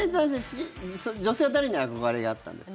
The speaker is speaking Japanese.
女性は誰に憧れがあったんですか？